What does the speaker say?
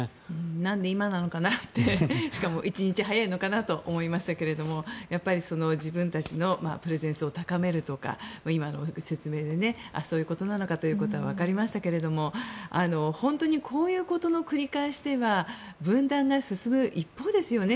なんで今なのかなってしかも１日早いのかなと思いましたがやっぱり自分たちのプレゼンスを高めるとか今の説明でそういうことなのかということはわかりましたけど本当にこういうことの繰り返しでは分断が進む一方ですよね。